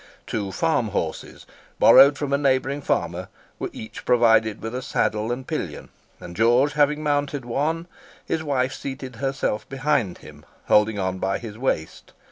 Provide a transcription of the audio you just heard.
Two farm horses, borrowed from a neighbouring farmer, were each provided with a saddle and pillion, and George having mounted one, his wife seated herself behind him, holding on by his waist.